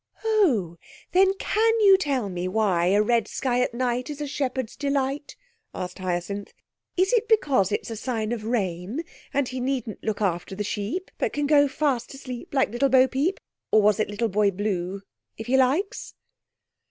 'Oh, then can you tell me why a red sky at night is a shepherd's delight?' asked Hyacinth. 'Is it because it's a sign of rain, and he needn't look after the sheep, but can go fast asleep like little Bo peep or was it little Boy Blue if he likes?'